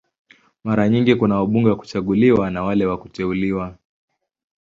Mara nyingi kuna wabunge wa kuchaguliwa na wale wa kuteuliwa.